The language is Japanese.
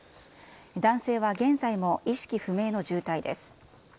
男性は現在も意識不明の重体です。